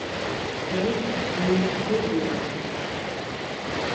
Бәй, минең ҡул булған бит.